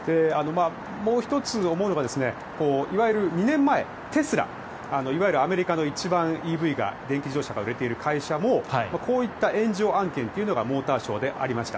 もう１つ思うのが２年前、テスラいわゆるアメリカの一番ＥＶ・電気自動車が売れている会社もこういった炎上案件というのがモーターショーでありました。